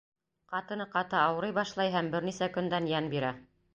Ҡатыны ҡаты ауырый башлай һәм бер нисә көндән йән бирә.